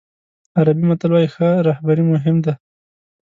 عربي متل وایي ښه رهبري مهم ده.